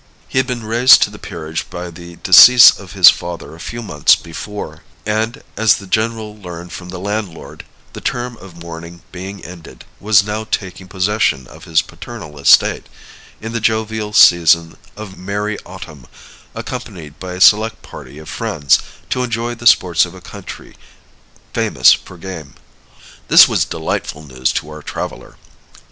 He had been raised to the peerage by the decease of his father a few months before, and, as the general learned from the landlord, the term of mourning being ended, was now taking possession of his paternal estate, in the jovial season of merry autumn, accompanied by a select party of friends, to enjoy the sports of a country famous for game. This was delightful news to our traveler.